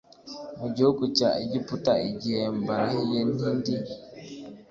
mu gihugu cya egiputa igihe mbarahiye nti ndi